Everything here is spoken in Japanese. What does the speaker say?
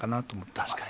確かに。